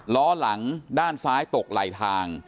ล้อหลังด้านซ้ายตกไหลทาง